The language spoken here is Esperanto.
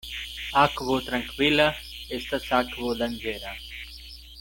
Akvo trankvila estas akvo danĝera.